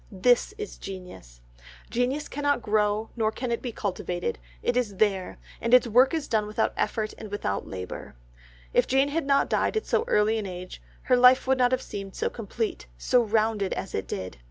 This is genius. Genius cannot grow nor can it be cultivated, it is there, and its work is done without effort and without labour. If Jane had not died at so early an age, her life would not have seemed so complete, so rounded as it did.